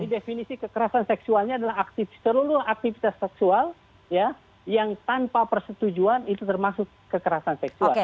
di definisi kekerasan seksualnya adalah aktivitas terlalu terlalu aktivitas seksual yang tanpa persetujuan itu termasuk kekerasan seksual